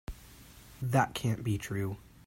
That can't be true.